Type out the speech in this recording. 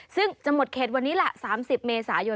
ซึ่งจะหมดเขตวันนี้แหละ๓๐เมษายน